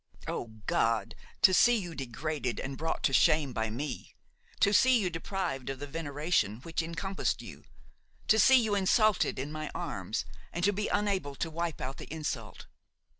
O God! to see you degraded and brought to shame by me! to see you deprived of the veneration which encompassed you! to see you insulted in my arms and to be unable to wipe out the insult!